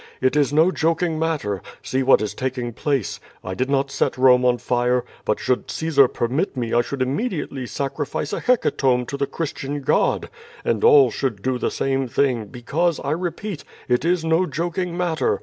It is no joking matter. See what is taking place. I did not set Rome on fire, but should Caesar permit me I should imme diately sacrifice a hecatomb to the Christian God. And all should do the same thing, because, I repeat, it is no joking matter.